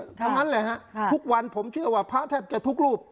ทั้งนั้นเลยฮะทุกวันผมเชื่อว่าพระแทบจะทุกรูป